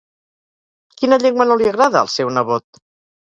Quina llengua no li agrada al seu nebot?